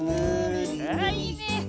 ああいいね。